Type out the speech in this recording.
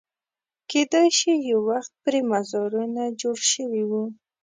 کېدای شي یو وخت پرې مزارونه جوړ شوي وو.